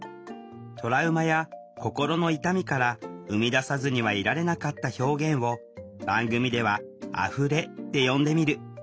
トラウマや心の痛みから生み出さずにはいられなかった表現を番組では「あふれ」って呼んでみる。